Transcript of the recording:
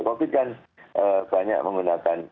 covid kan banyak menggunakan